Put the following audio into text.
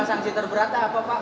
sanksi terberata apa pak